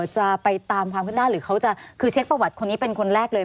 จะไปตามความขึ้นหน้าหรือเขาจะคือเช็คประวัติคนนี้เป็นคนแรกเลย